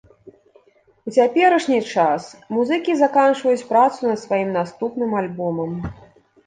У цяперашні час музыкі заканчваюць працу над сваім наступным альбомам.